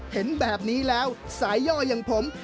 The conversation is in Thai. เห็นแบบนี้แล้วสายย่ออย่างผม